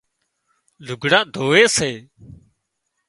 لگھڙان ڌووي سي